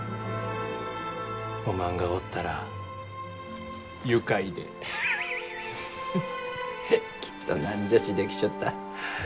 おまんがおったら愉快でハハハハッきっと何じゃちできちょった。